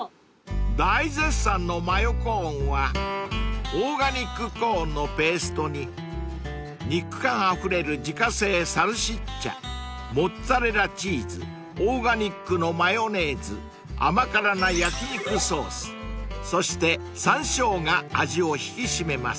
［大絶賛のマヨコーンはオーガニックコーンのペーストに肉感あふれる自家製サルシッチャモッツァレラチーズオーガニックのマヨネーズ甘辛な焼き肉ソースそしてさんしょうが味を引き締めます］